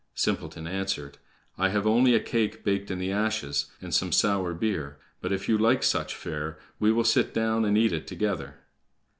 Simpleton answered: "I have only a cake baked in the ashes, and some sour beer; but, if you like such fare, we will sit down and eat it together."